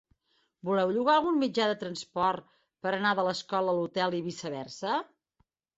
Voleu llogar algun mitjà de transport per anar de l'escola a l'hotel i viceversa?